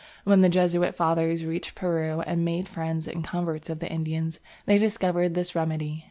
When the Jesuit fathers reached Peru and made friends and converts of the Indians, they discovered this remedy.